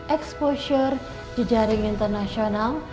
exposure di jaring internasional